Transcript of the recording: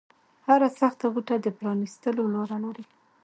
هره سخته غوټه د پرانیستلو لاره لري